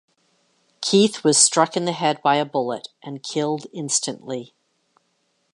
Keith was struck in the head by a bullet and killed instantly.